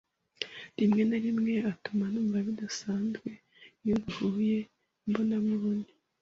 Rimwe na rimwe atuma numva bidasanzwe iyo duhuye imbonankubone.